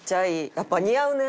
やっぱ似合うね。